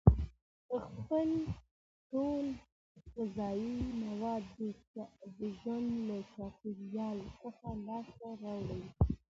خپل ټول غذایي مواد د ژوند له چاپیریال څخه لاس ته راوړي.